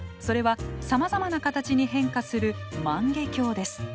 それはさまざまな形に変化する万華鏡です。